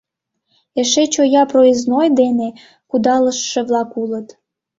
Эше шоя проездной дене кудалыштше-влак улыт.